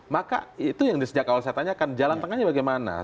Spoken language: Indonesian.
maka itu yang sejak awal saya tanyakan jalan tengahnya bagaimana